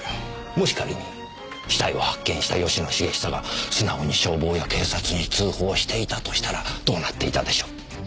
もし仮に死体を発見した吉野茂久が素直に消防や警察に通報していたとしたらどうなっていたでしょう？